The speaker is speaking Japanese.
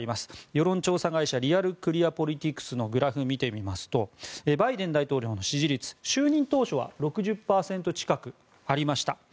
世論調査会社リアル・クリア・ポリティクスのグラフを見てみますとバイデン大統領の支持率は就任当初は６０％近くありました。